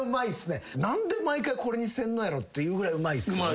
何で毎回これにせんのやろっていうぐらいうまいっすよね。